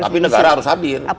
tapi negara harus hadir